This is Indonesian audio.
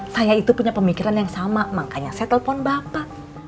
saya itu punya pemikiran yang sama makanya saya telepon bapak